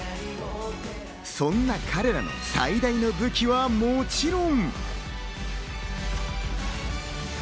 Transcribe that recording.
そんな彼らの最大の武器はもちろん。